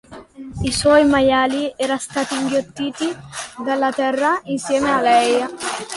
I suoi maiali era stati inghiottiti dalla terra insieme a lei.